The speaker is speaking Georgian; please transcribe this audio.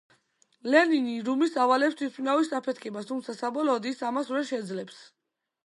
ლენინი რუმის ავალებს თვითმფრინავის აფეთქებას, თუმცა საბოლოოდ ის ამას ვერ შეძლებს.